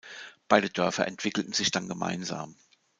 Beide Dörfer entwickelten sich dann gemeinsam.